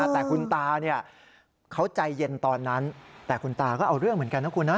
แต่คุณตาเขาใจเย็นตอนนั้นแต่คุณตาก็เอาเรื่องเหมือนกันนะคุณนะ